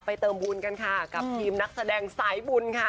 เติมบุญกันค่ะกับทีมนักแสดงสายบุญค่ะ